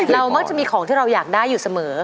มักจะมีของที่เราอยากได้อยู่เสมอ